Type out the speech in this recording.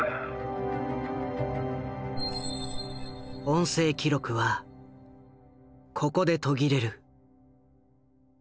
音声記録はここで途切れる。